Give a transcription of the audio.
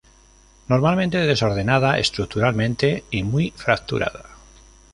Normalmente desordenada estructuralmente y muy fracturada.